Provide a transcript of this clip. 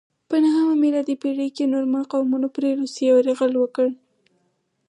په نهمه میلادي پیړۍ کې نورمن قومونو پر روسیې یرغل وکړ.